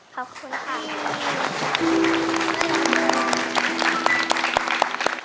ขอบคุณค่ะ